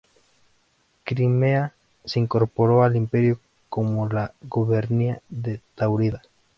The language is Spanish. Crimea se incorporó al Imperio como la Gubernia de Táurida.